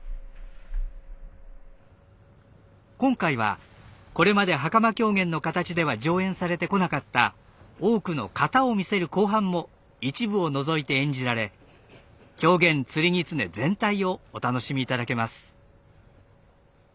今回はこれまで袴狂言の形では上演されてこなかった多くの型を見せる後半も一部を除いて演じられ狂言「釣狐」全体をお楽しみいただけます。